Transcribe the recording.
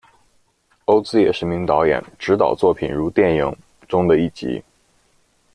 欧兹也是名导演，执导作品如电影《》中的一集。